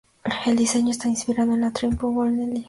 El diseño está inspirado en la Triumph Bonneville.